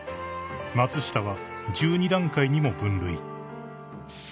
［松下は１２段階にも分類］